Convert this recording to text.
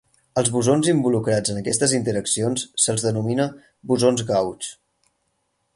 Als bosons involucrats en aquestes interaccions se'ls denomina bosons gauge.